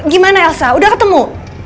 gimana elsa udah ketemu